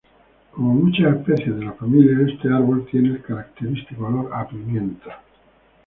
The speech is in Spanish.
Como muchas especies de la familia, este árbol tiene el característico olor a pimienta.